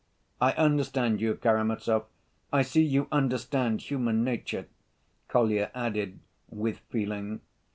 "I understand you, Karamazov. I see you understand human nature," Kolya added, with feeling.